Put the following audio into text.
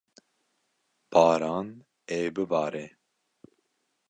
Baran ê bibare.